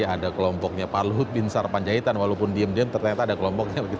ada kelompoknya pak luhut bin sarpanjaitan walaupun diem diem ternyata ada kelompoknya